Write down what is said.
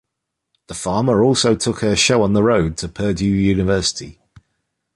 Farmer also took her show on the road to Purdue University.